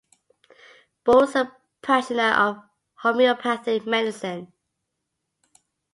Boole was a practitioner of homeopathic medicine.